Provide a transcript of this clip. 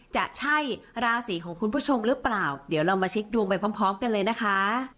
จะใช่ราศีของคุณผู้ชมหรือเปล่าเดี๋ยวเรามาเช็คดวงไปพร้อมพร้อมกันเลยนะคะ